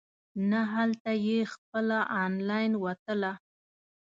نه هلته یې خپله انلاین وتله.